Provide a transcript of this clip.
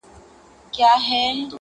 واعضِه تا مطرب ته چيري غوږ نېولی نه دی,